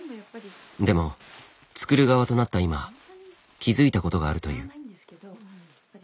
でも作る側となった今気付いたことがあるという。